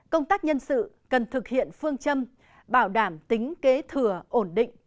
công tác nhân sự cần thực hiện phương châm bảo đảm tính kế thừa ổn định